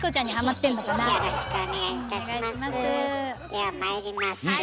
ではまいります。